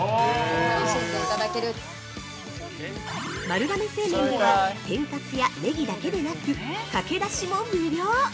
◆丸亀製麺では天かすやネギだけでなくかけだしも無料。